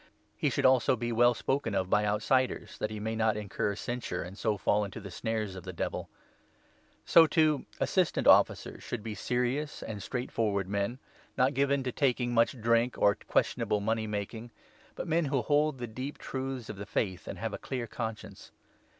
He should also be well spoken of by 7 outsiders, that he may not incur censure and so fall into the snares of the Devil. So, too, Assistant 8 Assistant Officers should be serious and straightforward Officer*. .,.,,°., men, not given to taking much drink or to questionable money making, but men who hold the deep 9 truths of the Faith and have a clear conscience.